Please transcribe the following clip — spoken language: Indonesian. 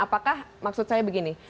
apakah maksud saya begini